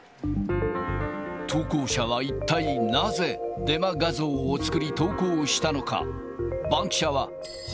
投稿者は一体、なぜデマ画像を作り投稿したのか。